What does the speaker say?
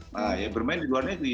nah ya bermain di luar negeri